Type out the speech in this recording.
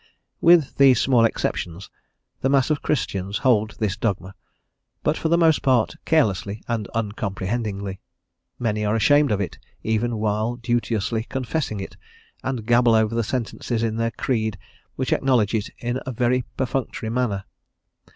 With these small exceptions the mass of Christians hold this dogma, but for the most part carelessly and uncomprehendingly. Many are ashamed of it even while duteously confessing it, and gabble over the sentences in their creed which acknowledge it in a very perfunctory manner.